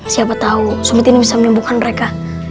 siapa tau sumpit ini bisa menyembuhkan mereka